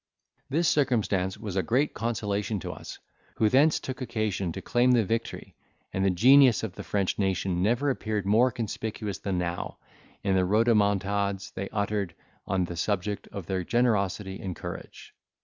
This circumstance was a great consolation to us, who thence took occasion to claim the victory; and the genius of the French nation never appeared more conspicuous than now, in the rhodomontades they uttered on the subject of their generosity and courage.